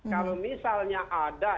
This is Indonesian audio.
kalau misalnya ada